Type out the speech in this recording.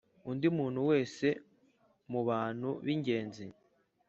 undi muntu wese mu bantu b ingenzi